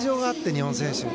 日本選手。